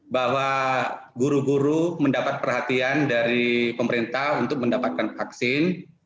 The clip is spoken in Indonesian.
bahwa guru guru mendapat perhatian dari pemerintah untuk mendapatkan vaksin